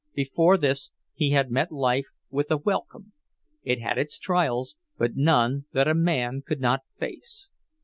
Before this he had met life with a welcome—it had its trials, but none that a man could not face.